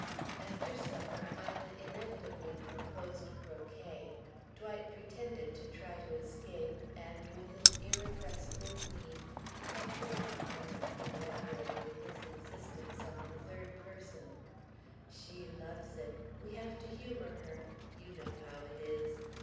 After supper Ina inevitably proposed croquet, Dwight pretended to try to escape and, with his irrepressible mien, talked about Ina, elaborate in his insistence on the third person "She loves it, we have to humour her, you know how it is.